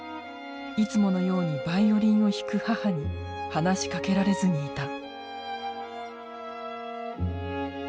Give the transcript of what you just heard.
いつものようにバイオリンを弾く母に話しかけられずにいた。